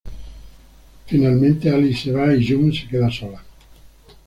Finalmente Alice se va y June se queda sola.